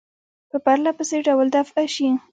په پرله پسې ډول دفع شي.